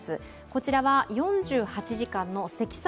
こちらは４８時間の積算